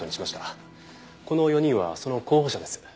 この４人はその候補者です。